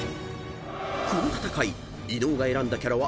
［この戦い伊野尾が選んだキャラは］